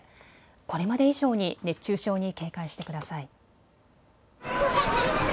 これまで以上に熱中症に警戒してください。